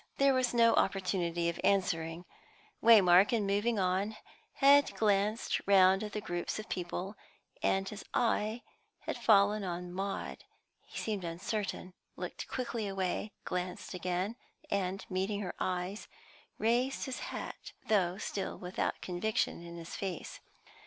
There was no opportunity of answering. Waymark, in moving on, had glanced round at the groups of people, and his eye had fallen on Maud. He seemed uncertain; looked quickly away; glanced again, and, meeting her eyes, raised his hat, though still without conviction in his face.